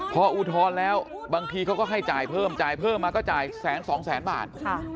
พออุทธรณ์แล้วบางทีเขาก็ให้จ่ายเพิ่มจ่ายเพิ่มมาก็จ่ายแสนสองแสนบาท